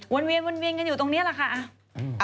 ค่ะวนเวียนวนเวียนกันอยู่ตรงนี้หรือคะ